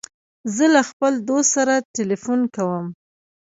زه له خپل دوست سره تلیفون کوم.